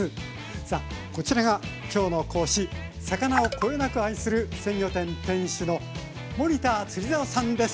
さあこちらが今日の講師魚をこよなく愛する鮮魚店店主のどうも！